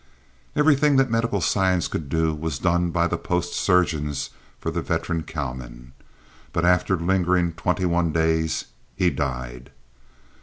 Everything that medical science could do was done by the post surgeons for the veteran cowman, but after lingering twenty one days he died.